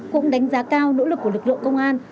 cũng đánh giá cao nỗ lực của lực lượng công an